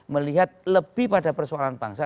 melihat lebih pada persoalan bangsa